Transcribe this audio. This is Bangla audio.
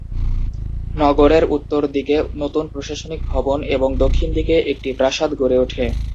নগরের উত্তর দিকে নতুন প্রশাসনিক ভবন এবং দক্ষিণ দিকে একটি প্রাসাদ গড়ে ওঠে।